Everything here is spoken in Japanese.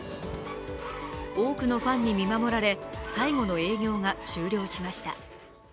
多くのファンに見守られ、最後の営業が終了しました。